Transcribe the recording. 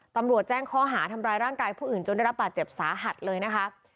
ตำรวจแจ้งข้อหาทำร้ายร่างกายผู้อื่นจนได้รับบาดเจ็บสาหัสเลยนะคะ